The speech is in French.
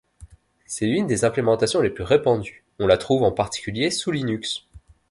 C'est une des implémentations les plus répandues, on la trouve en particulier sous Linux.